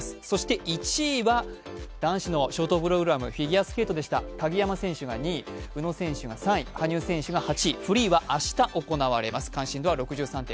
そして１位は、男子のショートプログラム、フィギュアスケートでした鍵山選手が２位、宇野選手が３位、羽生選手が８位、フリーは明日行われます。